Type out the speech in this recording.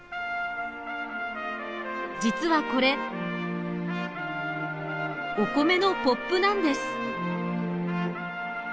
実はこれお米のポップなんです。